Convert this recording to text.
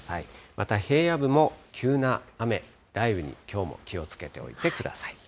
また、平野部も急な雨、雷雨にきょうも気をつけておいてください。